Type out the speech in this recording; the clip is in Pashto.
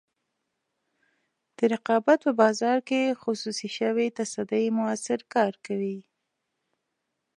د رقابت په بازار کې خصوصي شوې تصدۍ موثر کار کوي.